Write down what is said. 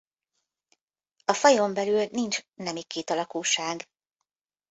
A fajon belül nincs nemi kétalakúság.